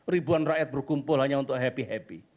ribuan rakyat berkumpul hanya untuk happy happy